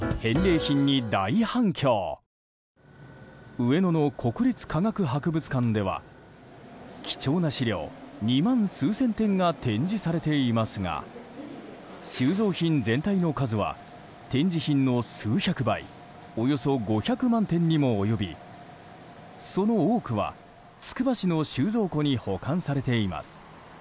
上野の国立科学博物館では貴重な資料２万数千点が展示されていますが収蔵品全体の数は展示品の数百倍およそ５００万点にも及びその多くは、つくば市の収蔵庫に保管されています。